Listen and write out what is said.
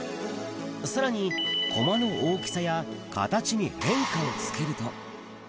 さらに、コマの大きさや形に変化をつけると。